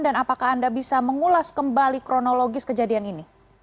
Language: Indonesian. dan apakah anda bisa mengulas kembali kronologis kejadian ini